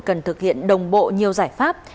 cần thực hiện đồng bộ nhiều giải pháp